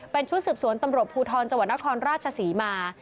เป็นชุดสืบสวนตำรวจภูทรจังหวัดนครราชศรีมา